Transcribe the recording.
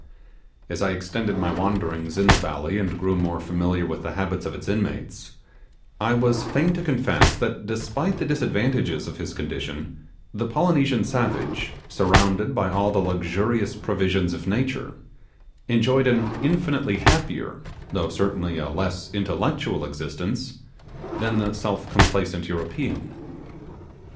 As I extended my wanderings in the valley and grew more familiar with the habits of its inmates, I was fain to confess that, despite the disadvantages of his condition, the Polynesian savage, surrounded by all the luxurious provisions of nature, enjoyed an infinitely happier, though certainly a less intellectual existence than the self complacent European.